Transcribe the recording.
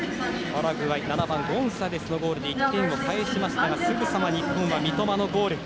パラグアイ、７番のゴンサレスのゴールで１点返しましたがすぐさま日本は三笘のゴール。